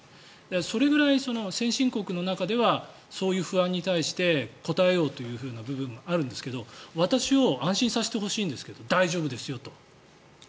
それぐらい先進国の中ではそういう不安に対して答えようという部分があるんですけど私を安心させてほしいんですけど大丈夫ですよと。